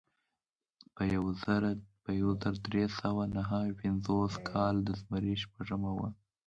په یو زر درې سوه نهه پنځوس کال د زمري شپږمه وه.